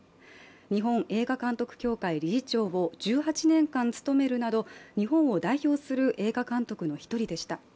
日本映画監督協会理事長を１８年間務めるなど日本を代表する映画監督の１人でした。